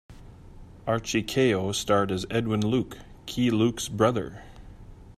Archie Kao starred as Edwin Luke, Keye Luke's brother.